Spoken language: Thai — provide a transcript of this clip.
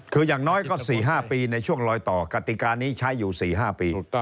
คืออย่างน้อยก็๔๕ปีในช่วงลอยต่อกติกานี้ใช้อยู่๔๕ปี